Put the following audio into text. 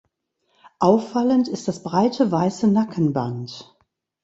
Auffallend ist das breite weiße Nackenband.